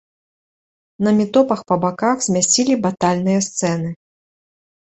На метопах па баках змясцілі батальныя сцэны.